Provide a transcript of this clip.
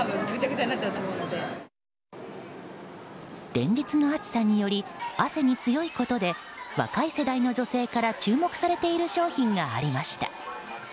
連日の暑さにより汗に強いことで若い世代の女性から注目されている商品がありました。